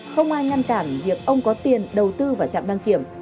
không ai ngăn cản việc ông có tiền đầu tư vào trạm đăng kiểm